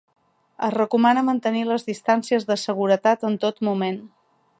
Es recomana mantenir les distàncies de seguretat en tot moment.